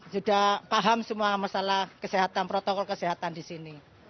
sudah paham semua masalah kesehatan protokol kesehatan di sini